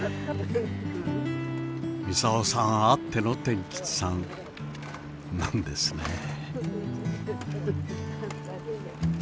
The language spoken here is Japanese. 操さんあっての天吉さんなんですね。